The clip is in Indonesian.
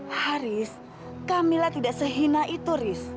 haris camilla tidak sehinai itu riz